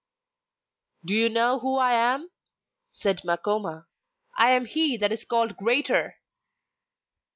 'Do you know who I am?' said Makoma. 'I am he that is called "greater"!